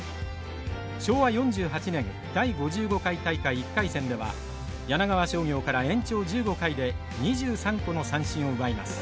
昭和４８年第５５回大会１回戦では柳川商業から延長１５回で２３個の三振を奪います。